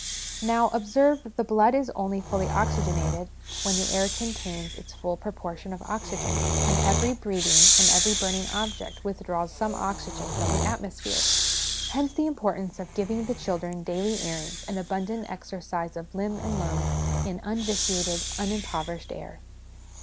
Now, observe, the blood is only iully oxygenated when the air SOME PRELIMINARY CONSIDERATIONS 29 contains its full proportion of oxygen, and every breathing and every burning object withdraws some oxygen from the atmosphere. Hence the import ance of giving the children daily airings and abundant exercise of limb and lung in unvitiated, unimpover ished air.